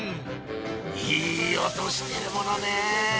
いい音してるものね！